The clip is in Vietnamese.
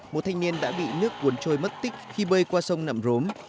một thanh niên đã bị nước cuốn trôi mất tích khi bơi qua sông nậm rốm